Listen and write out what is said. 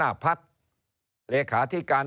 เริ่มตั้งแต่หาเสียงสมัครลง